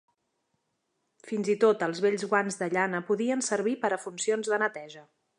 Fins i tot els vells guants de llana poden servir per a funcions de neteja.